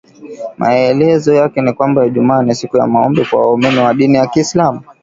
Maelezo yake ni kwamba Ijumaa ni siku ya maombi kwa waumini wa dini ya kiislamu